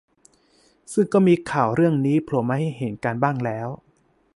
ซึ่งก็มีข่าวเรื่องนี้โผล่มาให้เห็นกันบ้างแล้ว